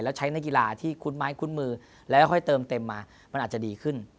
แล้วใช้นักกีฬาที่คุ้นไม้คุ้นมือแล้วค่อยเติมเต็มมามันอาจจะดีขึ้น